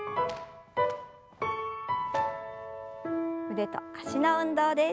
腕と脚の運動です。